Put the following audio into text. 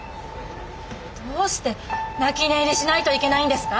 どうして泣き寝入りしないといけないんですか！